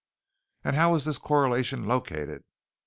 "And how was this correlation located?"